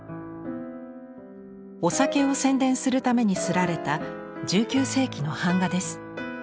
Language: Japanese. お酒を宣伝するために刷られた１９世紀の版画です。